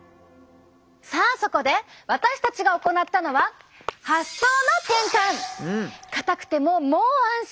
さあそこで私たちが行ったのは硬くてももう安心！